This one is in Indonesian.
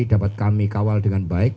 dapat kami kawal dengan baik